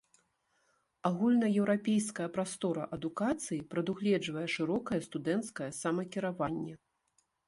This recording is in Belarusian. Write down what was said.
Агульнаеўрапейская прастора адукацыі прадугледжвае шырокае студэнцкае самакіраванне.